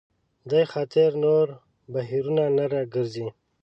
دې خاطر نور بهیرونه نه ګرځي.